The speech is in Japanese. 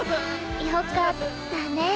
よかったねぇ。